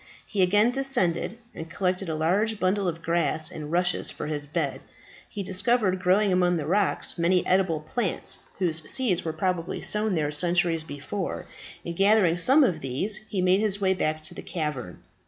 He again descended, and collected a large bundle of grass and rushes for his bed. He discovered growing among the rocks many edible plants, whose seeds were probably sown there centuries before, and gathering some of these he made his way back to the cavern.